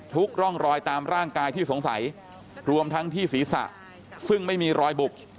ร่องรอยตามร่างกายที่สงสัยรวมทั้งที่ศีรษะซึ่งไม่มีรอยบุบ